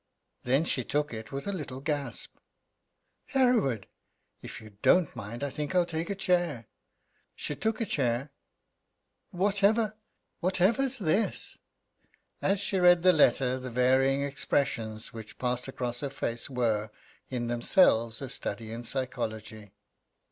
Then she took it with a little gasp. "Hereward, if you don't mind, I think I'll take a chair." She took a chair. "Whatever whatever's this?" As she read the letter the varying expressions which passed across her face were, in themselves, a study in psychology.